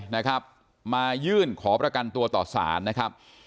นะครับมายื่นขอประกันตัวต่อสารนะครับ